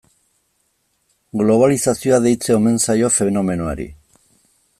Globalizazioa deitzen omen zaio fenomenoari.